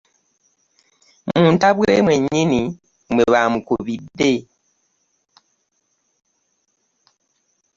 Mu ntabwe mwennyini mwe baamukubidde.